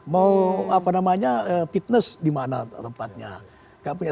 mau fitness di mana tempatnya